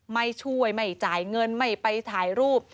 ไม่ช่วยไม่จ่ายเงินไม่ไปถ่ายรูป